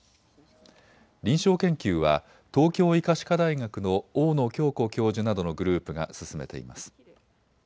臨床研究は東京医科歯科大学の大野京子教授などのグループが進めています。